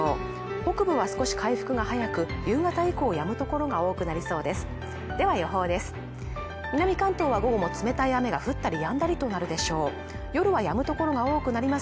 北部は少し回復が早く夕方以降やむ所が多くなりそうですでは予報です